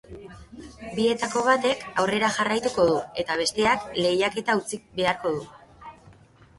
Bietako batek aurrera jarraituko du eta besteak lehiaketa utziko beharko du.